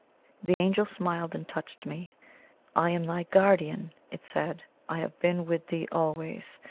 The Angel smiled and touched me. "I am thy guardian," it said. "I have been with thee always.